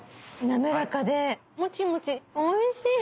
滑らかでもちもちおいしい！